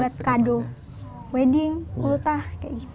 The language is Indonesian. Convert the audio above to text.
buat kado wedding ultah kayak gitu